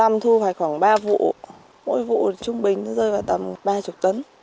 năm thu hoạch khoảng ba vụ mỗi vụ trung bình rơi vào tầm ba mươi tấn